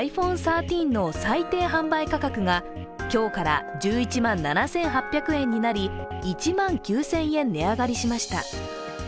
ｉＰｈｏｎｅ１３の最低販売価格が今日から１１万７８００円になり、１万９０００円値上がりしました。